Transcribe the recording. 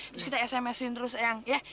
terus kita sms in terus eang iya